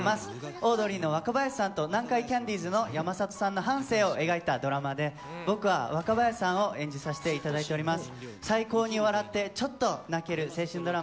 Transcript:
オードリーの若林さんと南海キャンディーズの山里さんの半生を描いたドラマで、僕は若林さんを演じさせていただいております。